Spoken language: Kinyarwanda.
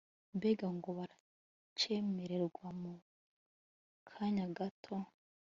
mbega ngo baracemererwa mu kanya gato